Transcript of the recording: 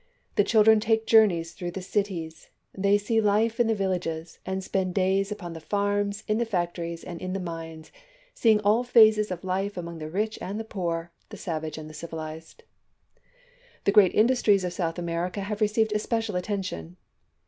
The children take journeys through the cities ; they see life in the villages, and spend days upon the farms, in the factories, and in the mines, seeing all phases of life among the rich and the poor, the savage and the civilized. The great industries of South America have received especial attention.